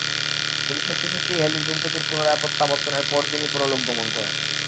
তিনি সত্যি সত্যিই হ্যালির ধূমকেতুর পুনরায় প্রত্যাবর্তনের পরদিনই পরলোকগমন করেন।